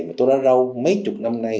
mà tôi đã râu mấy chục năm nay